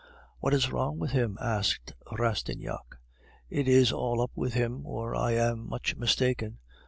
"What is wrong with him?" asked Rastignac. "It is all up with him, or I am much mistaken!